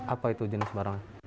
apa itu jenis barang